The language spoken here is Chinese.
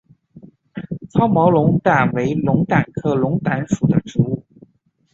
糙毛龙胆为龙胆科龙胆属的植物。